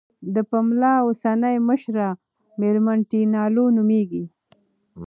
د پملا اوسنۍ مشره میرمن ټینا لو نوميږي.